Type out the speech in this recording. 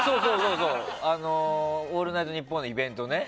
「オールナイトニッポン」のイベントね。